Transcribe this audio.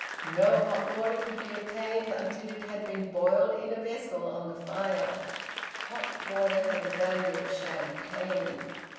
No hot water could be obtained until it had been boiled in a vessel on the fire. Hot water had the value of champagne.